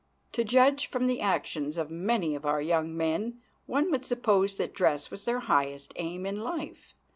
To judge from the actions of many of our young men one would suppose that dress was their highest aim in life.